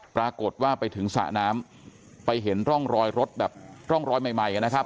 ปรากฏว่าไปถึงสระน้ำไปเห็นร่องรอยรถแบบร่องรอยใหม่นะครับ